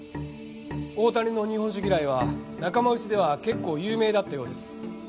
大谷の日本酒嫌いは仲間内では結構有名だったようです。